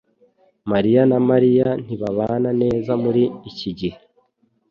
mariya na Mariya ntibabana neza muri iki gihe